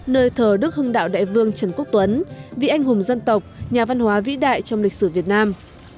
nơi thờ đức hưng đạo đại vương trần quốc tuấn vị anh hùng dân tộc nhà văn hóa vĩ đại trong lịch sử việt nam